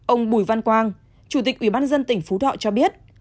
ông bùi văn quang chủ tịch ủy ban dân tỉnh phú thọ cho biết